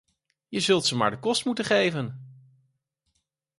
Je zult ze maar de kost moeten geven.